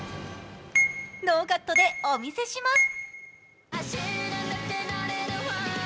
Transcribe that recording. ノーカットでお見せします！